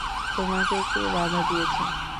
তোমাকে কে বাধা দিয়েছে?